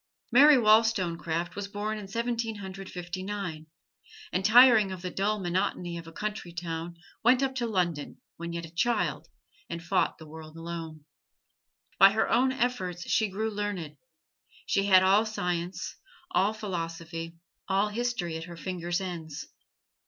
Mary Wollstonecraft was born in Seventeen Hundred Fifty nine; and tiring of the dull monotony of a country town went up to London when yet a child and fought the world alone. By her own efforts she grew learned; she had all science, all philosophy, all history at her fingers' ends.